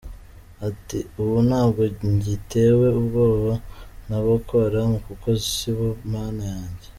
Ati “Ubu ntabwo ngitewe ubwoba na Boko Haram kuko sibo Mana yanjye.